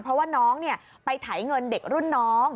เพราะว่าน้องไปไถเงินเด็กรุ่นน้อง